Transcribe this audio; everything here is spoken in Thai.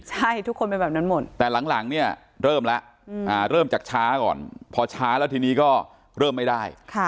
ใช่ทุกคนเป็นแบบนั้นหมดแต่หลังเนี่ยเริ่มแล้วเริ่มจากช้าก่อนพอช้าแล้วทีนี้ก็เริ่มไม่ได้